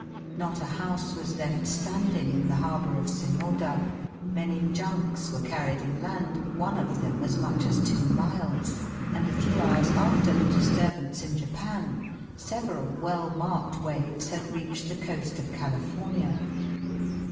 Not a house was left standing in the harbour of Simoda, many junks were carried inland, one of them as much as two miles, and a few hours after the disturbance SUBTERRANEAN HEAT. 83 in Japan several well marked waves had reached the coast of California.